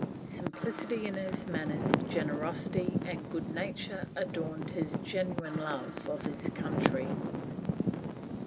Simplicity in his manners, generosity, and good nature adorned his genuine love of his country."